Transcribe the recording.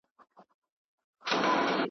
د ښار خلکو ته راوړې یې دعوه وه .